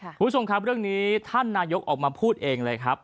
คุณผู้ชมครับเรื่องนี้ท่านนายกออกมาพูดเองเลยครับ